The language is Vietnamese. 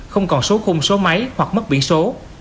không còn số khung số máy hoặc mất biển số